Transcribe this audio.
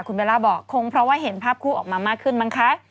คุณเบลล่าบอกคงเพราะว่าเห็นภาพคู่ออกมามากขึ้นมั้งคะ